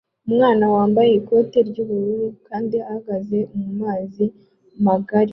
Umwana yambaye ikoti ry'ubururu kandi ahagaze mu mazi magari